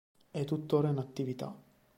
È tuttora in attività.